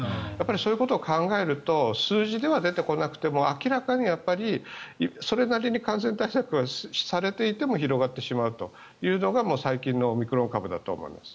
そういうことを考えると数字では出てこなくても明らかにそれなりに感染対策はされていても広がってしまうというのが最近のオミクロン株だと思います。